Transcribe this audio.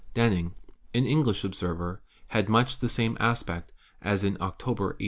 Denning, an English observer, had much the same aspect as in October, 1882.